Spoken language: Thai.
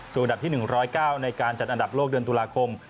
อันดับที่๑๐๙ในการจัดอันดับโลกเดือนตุลาคม